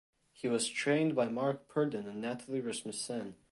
He was trained by Mark Purdon and Natalie Rasmussen.